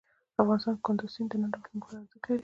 افغانستان کې کندز سیند د نن او راتلونکي لپاره ارزښت لري.